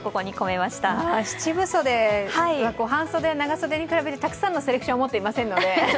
七部袖は半袖、長袖に比べてたくさんのセレクションを持っていませんので。